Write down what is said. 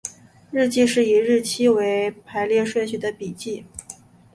日记是以日期为排列顺序的笔记。